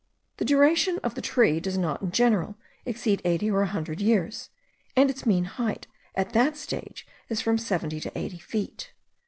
The duration of the tree does not in general exceed eighty or a hundred years; and its mean height at that age is from seventy to eighty feet.